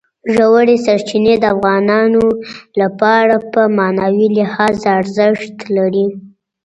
ژورې سرچینې د افغانانو لپاره په معنوي لحاظ ارزښت لري.